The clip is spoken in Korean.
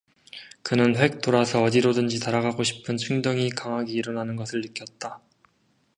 그는 휙 돌아서 어디로든지 달아나고 싶은 충동이 강하게 일어나는 것을 느꼈다.